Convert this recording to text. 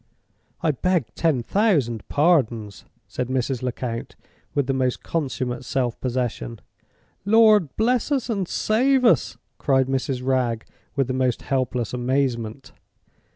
"I beg ten thousand pardons!" said Mrs. Lecount, with the most consummate self possession. "Lord bless us and save us!" cried Mrs. Wragge, with the most helpless amazement.